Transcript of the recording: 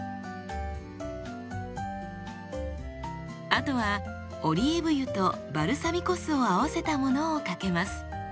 あとはオリーブ油とバルサミコ酢を合わせたものをかけます。